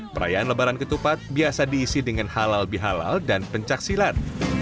perayaan lebaran ketupat biasa diisi dengan halal bihalal dan pencaksilat